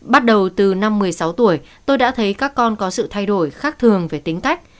bắt đầu từ năm một mươi sáu tuổi tôi đã thấy các con có sự thay đổi khác thường về tính cách